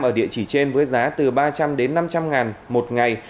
ở địa chỉ trên với giá từ ba trăm linh đến năm trăm linh ngàn một ngày